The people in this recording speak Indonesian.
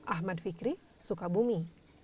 ahmad fikri sukabumi